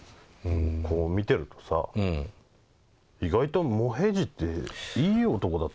こう見てるとさ意外ともへじっていい男だった。